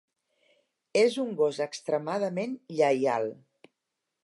És un gos extremadament lleial.